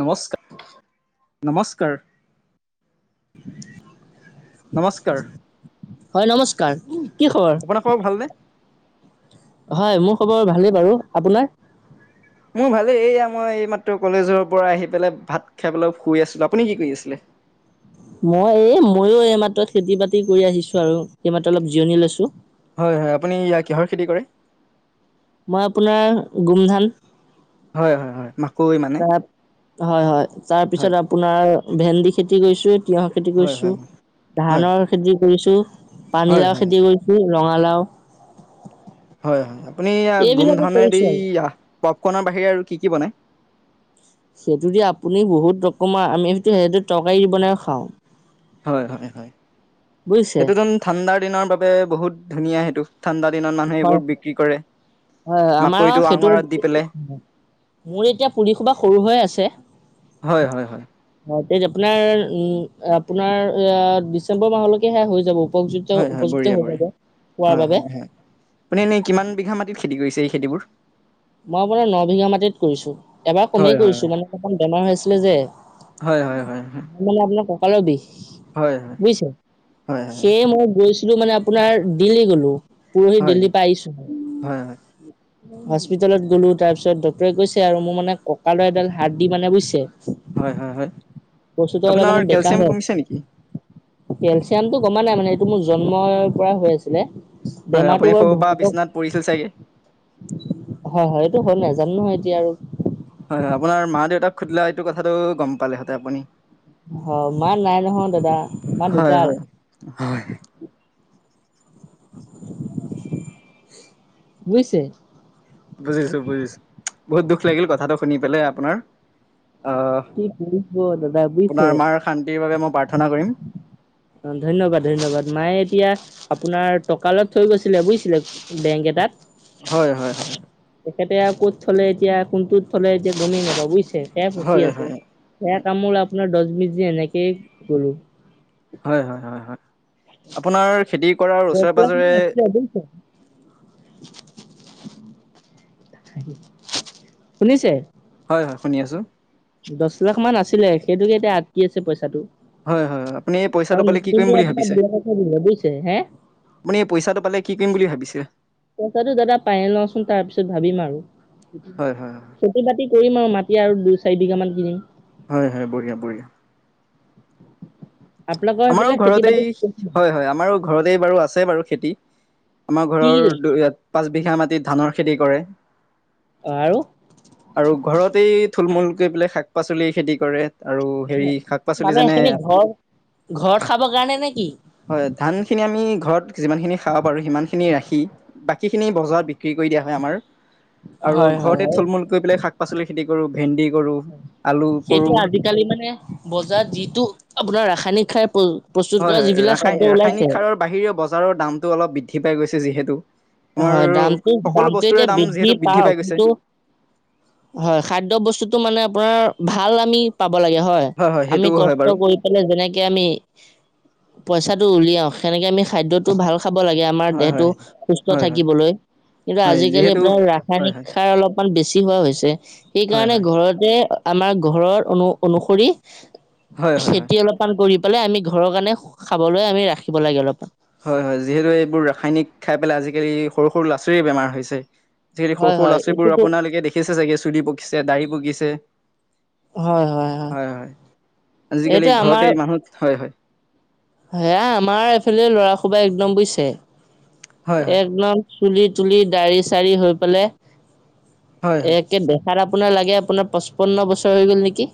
নমস্কাৰ, নমস্কাৰ [unintelligible] নমস্কাৰ হয় নমস্কাৰ, কি খবৰ? আপোনাৰ ভালনে? হয় মোক খ'বৰ ভালেই বাৰু, আপোনাৰ? মোৰ ভালেই এইয়া মই এই মাত্ৰ কলেজৰ পৰা আহি পেলাই ভাত খাই পেলাই অ শুই আছিলোঁ। আপুনি কি কৰি আছিলে? [inaudible] মই এই ময়ো এইমাত্ৰ খেতি বাতি কৰি আহিছো আৰু এইমাত্ৰ অলপ জিৰণি লৈছোঁ। হয় হয় আপুনি ইয়া কিহৰ খেতি কৰে? মই আপোনাৰ গোমধান হয় হয় হয় ম তাৰ হয়, হয় হয়, তাৰপিছত আপোনাৰ ভেন্দি খেতি কৰিছো। তিয়হৰ খেতি হয়, কৰিছো, হয়, হয়, হয়, ধানৰ খেতি কৰিছো, পানীলাও হয়, খেতি কৰিছোঁ। ৰঙালাও। হয়, হয় আপুনি এইবিলাকে গুমধানে দি কৰিছো আৰু পপকৰ্নৰ বাহিৰে আৰু কি কি বনায়। সেইটো দি আপুনি বহুত ৰকমৰ আমি সেইটো সেই তৰকাৰী বনাই খাওঁ। হয়, হয়, হয় বুজিছে সেইটো টোন ঠাণ্ডাৰ দিনৰ বাবে বহুত ধুনীয়া সেইটো। ঠাণ্ডা দিনত মানুহে হয় হয় এইবোৰ বিক্ৰী কৰে, হয়, আমাৰ আৰু মাকৈটো সেইটো আঙৰাত দি পেলাই। মোৰ এতিয়া পুলিসোবা সৰু হৈ আছে। হয়, হয়, হয়। এই যে আপোনাৰ, আপোনাৰ ডিচেম্বৰ মাহলৈকেহে হৈ যাব। উপযুক্ত, হয়, হয় বঢ়িয়া উপযুক্ত হৈ বঢ়িয়া থাকে হয়, খোৱাৰ হয়, বাবে। হয়। আপুনি এনেই কিমান বিঘা মাটিত খেতি কৰিছে এই খেতিবোৰ? মই আপোনাৰ ন বিঘা মাটিত কৰিছো, এবাৰ হয় কমেই হয় কৰিছো মানে অকমান বেমাৰ হৈ আছিলে যে। হয়, হয়, হয়,। হয় হয় বুইছে হয় হয় সেয়ে মই গৈছো মানে আপোনাৰ দিল্লী গলো, পোৰহি হয় দিল্লী পৰা আহিছো। হয় হয় হস্পিতেলত গ'লোঁ তাৰপিছত ডক্টৰে কৈছে আৰু মোৰ মানে ককালৰা এডাল হাৰদি মানে বুইছে হয়, হয়, হয় আপোনাৰ মানে বেকা কেলচিয়াম হয় কমিছে নেকি? কেলচিয়ামটো কমা নাই মানে এইটো মোৰ জন্মৰ পৰাই হৈ আছিলে। হয়, বেমাৰটো আপুনি বাৰু সৰুৰ পৰা ধৰিব বিচনাত পৰিছিল চাগে? হয় হয় এইটো হল নাজানো নহয় এতিয়া আৰু হয় হয় আপোনাৰ মা দেউতাক সুধিলা এইটো কথাটো গম পালেহঁতেন আপুনি। অ', মা নাই নহয় দাদা মা হয় ঢুকাল। হয় হয় বুইছে? বুজিছো, বুজিছো, বহুত দুখ লাগিল কথাটো শুনি পেলাই আপোনাৰ। অহ, কি কৰিব দাদা বুজিছে আপোনাৰ মাৰ শান্তিৰ বাবে মই প্ৰাৰ্থনা কৰিম। অ', ধন্যবাদ, ধন্যবাদ মায়ে এতিয়া আপোনাৰ টকা অলপ থৈ গৈছিলে বুইছিলে বেংক এটাত। হয়, হয়, হয়। এতিয়া ক'ত থলে এতিয়া কোনটোত থলে এতিয়া গমেই নাপাও বুইচে সেয়া ফচি হয় আছে হয় সেয়া কামো আপোনাৰ দছ বিশ দিন এনেকেই গলো। হয়, হয়, হয়, হয় আপোনাৰ খেতি কৰাৰ দহ ওচৰে লাখ পাঁজৰে মান আছিলে বুজিছে শুনিছে? হয়, হয় শুনি আছো। দছ লাখ মান আছিলে সেইটোকে এতিয়া আটকি আছে পইচাটো। হয় হয় হয়, আপুনি এই পইচাটো আৰু পালে কি কৰিম বুলি ভাবিছে [unintelligible] বুইছে। আপুনি পইচাটো পালে কি কৰিম বুলি ভাবিছে। পইচাটো দাদা পায়ে লওঁচোন, তাৰপিছত ভাবিম আৰু হয় হয় হয় খেতি বাতি কৰিম আৰু মাত মাটি আৰু দুই চাৰি বিঘা মান কিনিম। হয়, হয় বঢ়িয়া, বঢ়িয়া। আপোনালোকৰ আমাৰো সেইফালে খেতি ঘৰতে বাতি হয়, হয় আমাৰো ঘৰতে বাৰু আছে বাৰু খেতি। আমাৰ কি কি ঘৰৰ কৰিছে? দু পাঁচ বিঘা মাটিৰ ধানৰ খেতি কৰে। অ' আৰু? আৰু ঘৰতেই থুল মূলকৈ কেপেলাই শাক পাচলি খেতি কৰে। আৰু হেৰি শাক পাচলি মানে যেনে সেইখিনি ঘৰ ঘৰত খাবৰ কাৰণে নে কি? হয়, ধান খিনি আমি ঘৰত যিমানখিনি খাব পাৰোঁ, সিমানখিনি ৰাখি বাকীখিনি বজাৰত বিক্ৰী কৰি দিয়া হয়, আমাৰ। আৰু হয় হয় ঘৰতে হয়। থল মূল কৰি পেলাই শাক পাচলি খেতি কৰোঁ ভেন্দি, কৰোঁ আলু সেইটো কৰোঁ আজিকালি মানে বজাৰত যিটো আপোনাৰ ৰাসায়নিক সাৰৰ হয়, হয় ৰা ৰাসায়নিক সাৰৰ বাহিৰেও বজাৰৰ দামটো অলপ বৃদ্ধি পাই গৈছে, যিহেতু আমাৰ হয়, দামটো, সকলো দামটো বস্তুৰে এতিয়া দাম বৃদ্ধি যিহেতু পাওঁক। পাই গৈছে কিন্তু, হয়, খাদ্য বস্তুতটো মানে আপোনাৰ ভাল আমি পাব লাগে হয়। সেইটো আমি হয় কষ্ট বাৰু কৰি পেলাই যেনেকে আমি। পইচাটো উলিয়াও সেনেকে আমি খাদ্যটো ভাল খাব লাগে আমাৰ হয় হয় দেহটো সুস্থ হয় হয় থাকিবলৈ কিন্তু হয় আজিকালি যিহেতু আপোনাৰ হয় ৰাসায়নিক হয় সাৰ অলপমান বেছি হোৱা হৈছে। হয় সেইকাৰণে হয় ঘৰতে আমাৰ ঘৰৰ অনু অনুসৰি। হয় হয় হয় খেতি অলপমান কৰি পেলাই আমি ঘৰৰ কাৰণে খাবলৈ আমি ৰাখিব লাগে অলপমান। হয়, হয় যিহেতু এইবোৰ ৰাসায়নিক খাই পেলাই আজিকালি সৰু সৰু ল'ৰা ছোৱালীৰ বেমাৰ হৈছে। আজিকালি সৰু হয় সৰু হয় ল'ৰাছোৱালীবোৰ এইটোতো আপোনালোকে দেখিছে চাগে চুলি পকিছে ডাড়ি পকিছে। হয়, হয় আজিকালি ঘৰতে মানুহত হয়, হয়। হেয়া আমাৰ এইফালে ল'ৰা সবাই একদম বুইছে হয় হয় একদম চুলিত চুলি দাড়ি চাড়ি হৈ পেলাই হয় হয় একে দে। তাৰ আপোনাৰ লাগে আপোনাৰ পঁচপন্ন বছৰ হৈ গ'ল নেকি।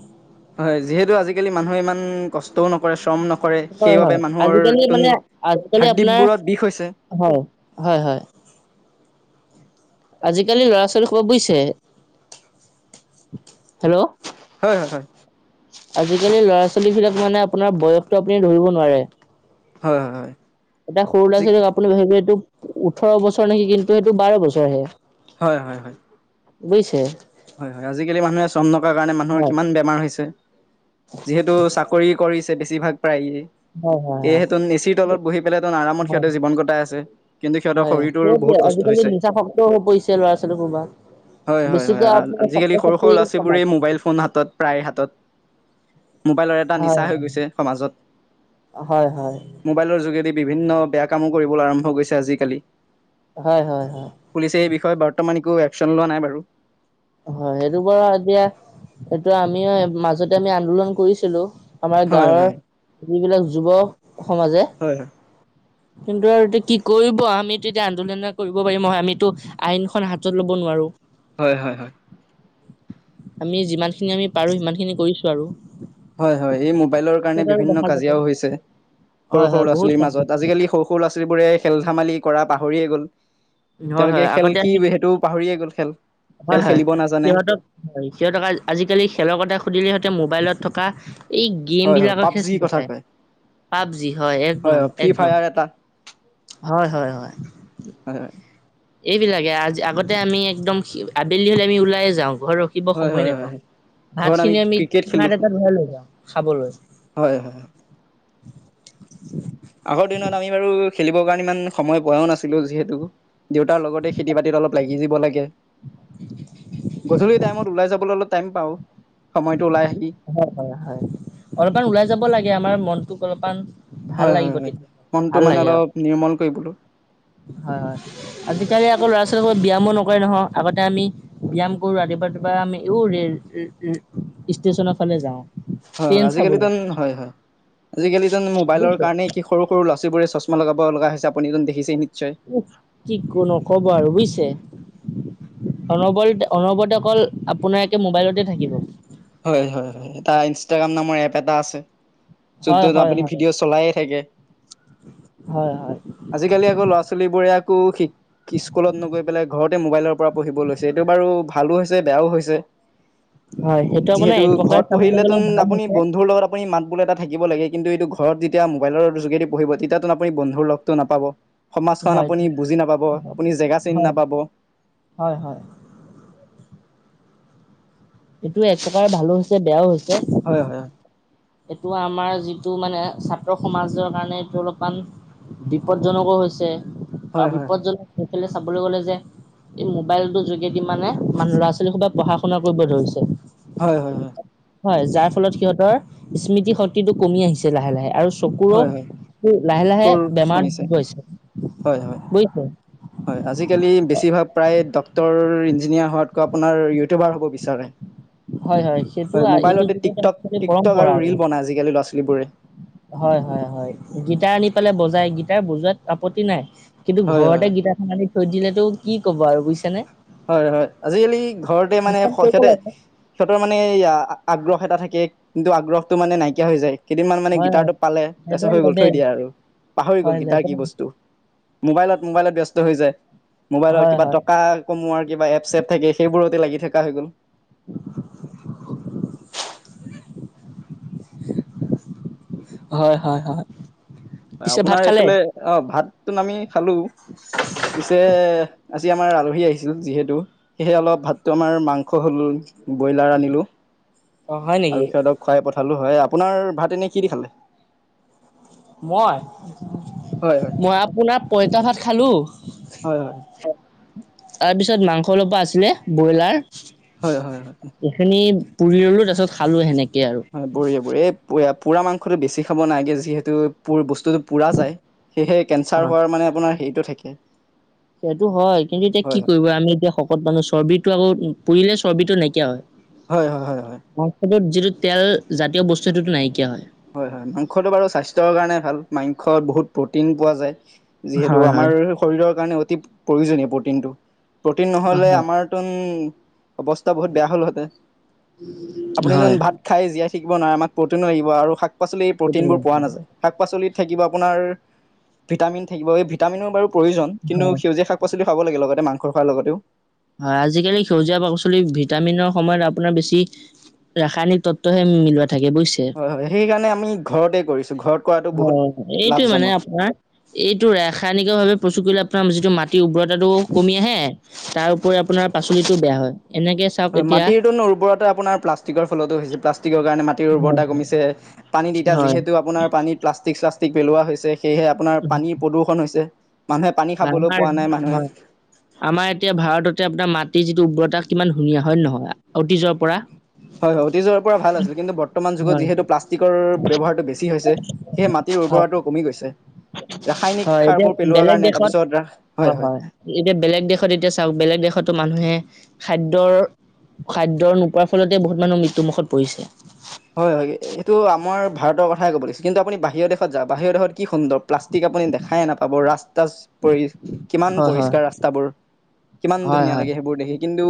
হয়, যিহেতু আজিকালি মানুহে ইমান কষ্টও নকৰে, শ্ৰম নকৰে কৰে হয় হয় সেইবাবে মানুহৰ আজিকালি টোন মানে আজিকালি আপোনাৰ হাৰদ্বীপবোৰত বিষ হৈছে। হয়, হয়, হয়। [inaudible] আজিকালি ল'ৰা-ছোৱালী খুব বুইছে, হেল্ল' হয় হয় হয় আজিকালি ল'ৰা। ছলী বিলাক মানে আপোনাৰ বয়সটো আপুনি ধৰিব নোৱাৰে। হয় হয় হয়। এটা সৰু ল'ৰা যি ছোৱালীক আপুনি ভাবিব এইটো ওঠৰ বছৰ নেকি, কিন্তু সেইটো বাৰ বছৰহে। হয় হয় হয়। বুইছে। হয় হয় আজিকালি মানুহে চম নকাৰ কাৰণে মানুহৰ হয় কিমান বেমাৰ হৈছে। যিহেতু চাকৰি কৰিছে বেছিভাগ প্ৰায়য়ে। হয় হয় এহে তন এচিৰ তলত বহি পেলাই তন আৰামত হয় সিহঁতে জীৱন কটাই আছে। কিন্তু সিহঁৰ হয় হয় শৰীৰটোৰ সেইটোৱে বহুত ক আজিকালি নিজা শক্ত হৈ পৰিছে ল'ৰা ছোৱালী সোবা। হয়, হয়, হয় আজিকালি সৰু সৰু ল'ৰা সমাজ ছোৱীবোৰেই মোবাইল ফোন হাতত প্ৰায় হাতত। মোবাইলৰ এটা হয় নিচা হৈ গৈছে সমাজত হয় হয় হয় মোবাইলৰ যোগেদি বিভিন্ন বেয়া কামো কৰিবলৈ আৰম্ভ কৈছে আজিকালি। হয় হয় হয় পুলিচে এই বিষয়ে বৰ্তমান একো একচন লোৱা নাই বাৰু। হয় সেইটো পৰা এতিয়া এইটো আমিও মাজতে আমি আন্দোলন কৰিছিলো। আমাৰ হয় হয় গাঁৱৰ হয় যিবিলাক যুৱ সমাজে হয় কিন্তু আৰু এতিয়া কি কৰিব। আমিতো এতিয়া আন্দোলন কৰিব পাৰিম নহয়। আমিতো আইনখন হাতত ল'ব নোৱাৰো। হয়, হয়, হয়। আমি যিমানখিনি আমি পাৰো সিমান খিনি কৰিছো আৰু। হয়, হয় এই মোবাইলৰ কাৰণে পিছত আৰু বিভিন্ন দেখা যাব কাজিয়াও হৈছে। হয় সৰু সৰু হয় বহুত ল'ৰা-ছোৱালীৰ কাম মাজত আজিকালি সৰু সৰু ল'ৰা-ছোৱালীবোৰে খেল-ধেমালি কৰা পাহৰিয়ে গ'ল। হয় তেওঁলোকে হয় খেল আগতে কি আমি সেইটো পাহৰিয়ে গ'ল খেল হয় খেল হয় খেলিব নাজানে সিহঁতক হয় সিহঁতক আজিকালি খেলৰ কথা সুধিলে সিহঁতে মোবাইলত থকা এই হয় হয় গেমবিলাকক খে পাবজি চিনি কথা পায় কয় পাবজি হয় এক নম হয় ফ্ৰী এক নম। ফায়াৰ এটা হয়, হয়, হয়। হয় এইবিলাকে আজ আগতে আমি একদম আবেলি হলে আমি ওলাইে যাওঁ। ঘৰ ৰখিব হয় সময় হয় হয় নেপাওঁ। হয়। ঘৰত ভাতখিনি আমি ক্ৰিকেট খেলো চুঙাত হয় এটাত ভৰাই লৈ যাওঁ খাবলৈ। হয় হয়। আগৰ দিনত আমি বাৰু খেলিবৰ কাৰণে ইমান সময় পোৱাও নাছিলো। যিহেতু দেউতাৰ লগতে খেতি বাতিত অলপ লাগি দিব লাগে। গধূলি টাইমত ওলাই যাবলৈ অলপ টাইম পাও সময়ত হয়, হয়, হয়, অলপমান ওলাই যাব লাগে আমাৰ মনটোক অলপমান ভাল হয়, হয়, লাগিব হয় তেতিয়া। মনটো ভাল মানে লাগে অ অলপ নিৰ্মল কৰিবলো। হয় হয় আজিকালি আকৌ ল'ৰা ছোৱালী ব্যায়ামো নকৰে নহয় আগতে আমি ব্যায়াম কৰো ৰাতিপুৱা ৰাতিপুৱা আমি এই ৰেল ষ্টেশচনৰ ফালে যাওঁ হয় হয় ট্ৰেইন আজিকালি চাবলৈ তন হয় হয় আজিকালি তাৰমানে মোবাইলৰ বুজিছে কাৰণে কি সৰু সৰু লৰা চোৰে চশমা লগাব লগা হৈছে আপুনি যিজন দেখিছে উ কি কো নকব আৰু বুজিছে অনবল অনবৰতে অকল আপোনাৰ একে মোবাইলতে থাকিব। হয় হয় হয় এটা ইনষ্টাগ্ৰাম নামৰ এপ এটা আছে যত হয় তত হয় আপুনি হয় ভিডিঅ' চলায়ে থাকে হয় হয় আজিকালি আকৌ ল'ৰা ছোৱালী বোৰে একো শিক স্কুলত নগৈ পেলাই ঘৰতে মোবাইলৰ পৰা পঢ়িব লৈছে এইটো বাৰু ভাল ভালো হৈছে বেয়াও হৈছে হয় সেইটো আপোনাৰ যিহেতু এক প্ৰকাৰ ঘৰত চাবলৈ গ'লে পঢ়িলেতোোন ভাল আপুনি হৈছে বন্ধুৰ লগত আপুনি মাত বোলে এটা থাকিব লাগে কিন্তু এইটো ঘৰত যেতিয়া মোবাইলৰ যোগেদি পঢ়িব তেতিয়াতো আপুনি বন্ধুৰ লগটো নাপাব সমাজখন হয় আপুনি বুজি নাপাব আপুনি জেগা চিনি হয় নাপাব। হয় হয় এইটো এক প্ৰকাৰ ভালো হৈছে বেয়াও হৈছে হয় হয়। এইটো আমাৰ যিটো মানে ছাত্ৰ সমাজৰ কাৰণে এইটো অলপমান বিপদজনকো হৈছে হয় হয় আৰু হয়। বিপদজন কেলে চাবলৈ গ'লে যে এই মোবাইলটোৰ যোগেদি মানে মানুহ ল'ৰা ছোৱালী সোপায়ে পঢ়া শুনা কৰিব ধৰিছে হয় হয় হয় হয় যাৰ ফলত সিহঁতৰ স্মৃতি শক্তিটো কমি আহিছে লাহে লাহে আৰু চকুৰ হয় হয় লাহে লাহে স্কৰ বেমাৰ হৈছে গৈছে হয় হয় বুজিছে হয় আজিকালি বেছিভাগ প্ৰায় ইঞ্জিনিয়াৰ হোৱাতকৈ আপোনাৰ ইউটিউবাৰ হ'ব বিচাৰে হয় সেইটো হয় আ- এইটো মোবাইলতে যুগত টিকটক একচুৱেলি টিকটক পৰম্পৰা আৰু ৰিল বনাায় আজিকালি ল'ৰা ছোৱালীবোৰে হয় হয় হয় গীটাৰ আনি পেলাই বজাই গীটাৰ বজোৱাত আপত্তি নাই কিন্তু হয় ঘৰতে হয় গীতা থেমালি থৈ দিলেটো কি কব আৰু বুজিছ নে হয় হয় আজিকালি ঘৰতে মানে কৰিব সিহঁতে লাগে সিহঁতৰ মানে আগ্ৰহ এটা থাকে কিন্তু আগ্ৰহটো মানে নাইকিয়া হৈ যায় কেইদিনমান মানে হয় হয় গীটাৰটো পালে তাৰপিছত লেবেল হৈ গল থৈ লেবেল দিয়া আৰু পাহৰি গল হয় গিটাৰ কি লেবেল বস্তু। মোবাইলত মোবাইলত ব্যস্ত হৈ যায় মোবাইলত হয় কিবা হয় টকা কমোৱাৰ কিবা এপ চপ থাকে সেইবোৰতে লাগি থকা হৈ গ'ল [unintelligible] হয়, হয়, হয়। হয় পিছে ভাত আপোনাৰ খালে এইফালে অ' ভাত তো আমি খালো পিছে আজি আমাৰ আলহী আহিছিল যিহেতু সেয়েহে অলপ ভাতটো আমাৰ মাংস হ'ল ব্ৰইলাৰ আনিলোঁ অ হয় নেকি আৰু সিহতক খুৱাই পঠালো হয় আপোনাৰ ভাত এনে কি দি খালে মই হয় হয় মই আপোনাৰ পইতা ভাত খালো হয় হয়। তাৰপিছত মাংস অলপো আছিলে ব্ৰইলাৰ হয় হয় হয় হয় এইখিনি পুৰি ল'লো তাৰপিছত খালো হেনেকে হয় বঢ়িয়া বঢ়িয়া এই পোৰা মাংসটো বেছি খাব নাইগে যিহেতু পুৰ বস্তুটো পুৰা যায়। সেয়েহে অ কেন্ঞ্চাৰ হোৱাৰ মানে আপোনাৰ হেৰিটো থাকে সেইটো হয় কিন্তু এতিয়া কি হয় কৰিব আমি এতিয়া শকত মানুহ চৰ্বিটো আকৌ পুৰিলে চৰ্বিটো নাইকিয়া হয়। হয় হয়, হয় হয়। মাংসটোত যিটো তেল জাতীয় বস্তু সেইটোটো নাইকিয়া হয় হয় হয় মাংসটো বাৰু স্বাস্থ্যৰ কাৰণে ভাল মাংস বহুত প্ৰটিন পোৱা যায়। যিহেতু হয় হয়। আমাৰ শৰীৰৰ কাৰণে অতি প্ৰয়োজনীয় প্ৰটিনটো প্ৰটিন হয় নহ'লে আমাৰতোন অৱস্থা বহুত বেয়া হ'লহেঁতেন আপুনি নুন হয় ভাত খাই জীয়াই থাকিব নোৱাৰে আমাক প্ৰ'টিনো লাগিব আৰু শাক পাচলি প্ৰ'টিনবোৰ হয় পোৱা নাযায় শাক পাচলিত আপোনাৰ ভিটামিন থাকিব ভিটামিনৰ বাৰু প্ৰয়োজন কিন্তু হয় সেউজীয়া শাক পাচলি তুমি খাব লাগে লগতে মাংস খোৱাৰ লগতেও। হয় আজিকালি সেউজীয়া পাচলি ভিটামিনৰ সময়ত আপোনাৰ বেছি ৰাসায়নিক তত্ব হে মিলায়। হয় - হয় সেইকাৰণে আমি ঘৰতে কৰিছো ঘৰত কৰাটো বহুত হয় এইটোৱে মানে লাভজনক। আপোনাৰ এইটো ৰাসায়নিক ভাৱে প্ৰস্তুত কৰিলে আপোনাৰ যিটো মাটিৰ উৰ্বৰতাটো কমি আহে তাৰ উপৰি আপোনাৰ পাচলিতও বেয়া হয়। এনেকে চাওক হয় এতিয়া মাটিত টো উৰ্বৰতা আপোনাৰ প্লাষ্টিকৰ ফলতো হৈছে প্লাষ্টিকৰ কাৰণে মাটি হয় উৰ্বৰতা কমিছে পানী তিয়া হয় হয় যিহেতু আপোনাৰ পানীত প্লাষ্টিক চলাষ্টিক পেলোৱা হৈছে। সেয়েহে আপোনাৰ পানীৰ প্ৰদূৰষণ হৈছে। মানুহে পানী হয় খাবলৈ আমাৰ পোৱা নাই মানুহে হয় আমাৰ এতিয়া ভাৰততে আপোনাৰ মাটিৰ যিটো উৰ্বৰতা কিমান ধুনীয়া হয় নে নহয় অতীজৰ পৰা হয় হয় অতীযৰ পৰা ভাল আছিল কিন্তু বৰ্তমান যুগত হয় যিহেতু প্লাষ্টিকৰ ব্যৱহাৰটো বেছি হৈছে সেই মাটি হয় উৰ্বৰতা টো কমি গৈছে ৰাসায়নিক হয় এতিয়া সাৰবোৰ পেলোৱাৰ বেলেগ কাৰণে তাৰ দেশত পিছ হয় - হয় এতিয়া বেলেগ দেশত এতিয়া চাওক বেলেগ দেশতো মানুহে খাদ্যৰ খাদ্যৰ নোপোৱাৰ ফলতে বহুত মানুহ মৃত্যু মুুখত পৰিছে। হয় হয় এইটো আমাৰ ভাৰতৰ কথাই ক'ব লৈছে কিন্তু আপুনি বাহিৰৰ দেশত যাওক বাহিৰৰ দেশত কি সুন্দৰ প্লাষ্টিক আপুনি দেখায়ে নাপাব ৰাস্তা পৰি কিমান হয় হয় পৰিষ্কাৰ ৰাস্তাবোৰ। কিমান হয় ধুনীয়া হয় লাগে সেইবোৰ দেখি কিন্তু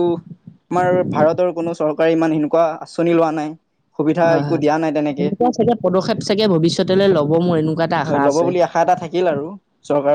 আমাৰ ভাৰতৰ কোনো চৰকাৰে ইমান সেনেকুৱা আচনি লোৱা নাই। সুবিধা হয়, একো হয়, দিয়া নাই তেনেকে সেনেকুৱা চাগে পদক্ষেপ চাগে ভৱিষ্যতলৈ লব মোৰ এনেকুৱা এটা আশা হয় ল'ব আছে। বুলি আশা এটা থাকিল আৰু। চৰকাৰৰ